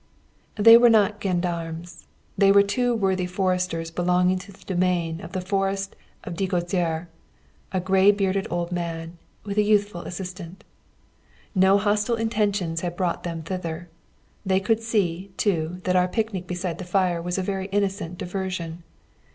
They were not gendarmes. They were two worthy foresters belonging to the domain of the Forests of Diosgyör a grey bearded old man with a youthful assistant. No hostile intentions had brought them thither. They could see, too, that our picnic beside the fire was a very innocent diversion.